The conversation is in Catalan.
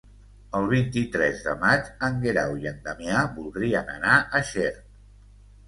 El vint-i-tres de maig en Guerau i en Damià voldrien anar a Xert.